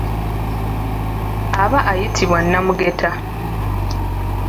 Aba ayitibwa namugeta.